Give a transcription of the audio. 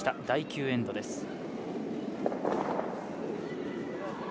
第９エンドです。